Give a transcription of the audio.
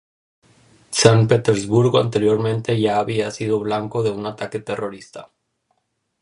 San Petersburgo anteriormente ya había sido blanco de un ataque terrorista.